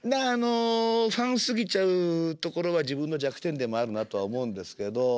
あのファンすぎちゃうところは自分の弱点でもあるなとは思うんですけど。